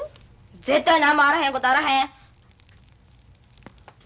絶対何もあらへんことあらへん！